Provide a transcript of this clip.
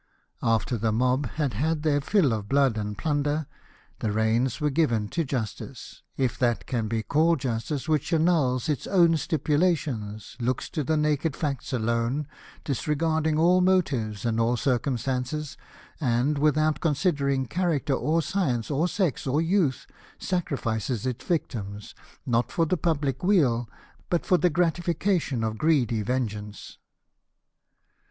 After the mob had had their fill of blood and plunder, the reins were given to justice — if that can be called justice which annuls its own stipulations, looks to the naked facts alone, disregarding all motives and all circumstances, and, without considering character or science, or sex, or youth, sacrifices its victims, not for the public weal, but for the gratification of greedy vengeance.